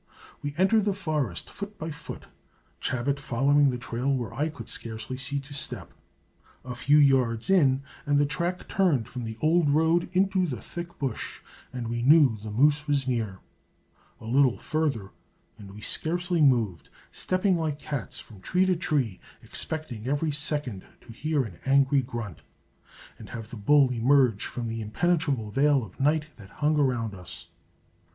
We entered the forest foot by foot, Chabot following the trail where I could scarcely see to step. A few yards in and the track turned from the old road into the thick bush, and we knew the moose was near. A little further, and we scarcely moved stepping like cats from tree to tree, expecting every second to hear an angry grunt and have the bull emerge from the impenetrable veil of night that hung around us.